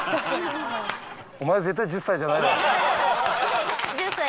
お前絶対１０歳じゃないだろ！